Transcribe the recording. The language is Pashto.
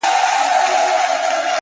o زه به دا ټول كندهار تاته پرېږدم،